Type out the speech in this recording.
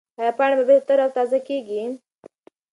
ایا پاڼه بېرته تر او تازه کېږي؟